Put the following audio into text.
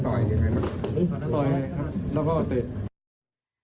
ต่อยให้ครับแล้วก็ติด